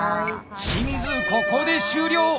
清水ここで終了！